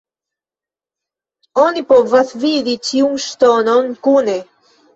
Oni povas vidi ĉiun ŝtonon kune.